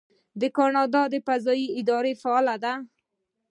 د کاناډا فضایی اداره فعاله ده.